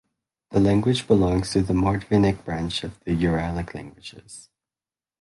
The language belongs to the Mordvinic branch of the Uralic languages.